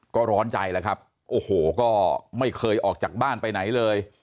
ก็ร้อนใจแล้วครับโอ้โหก็ไม่เคยออกจากบ้านไปไหนเลย